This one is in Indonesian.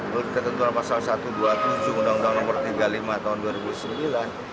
menurut ketentuan pasal satu ratus dua puluh tujuh undang undang nomor tiga puluh lima tahun dua ribu sembilan